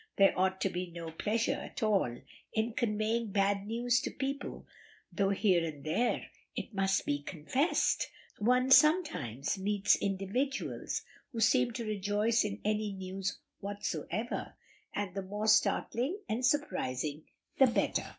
There ought to be no pleasure at all in conveying bad news to people, though here and there, it must be confessed, one sometimes meets individuals who seem to rejoice in any news whatsoever, and the more startling and surprising the better.